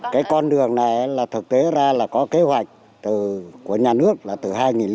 cái con đường này là thực tế ra là có kế hoạch của nhà nước là từ hai nghìn tám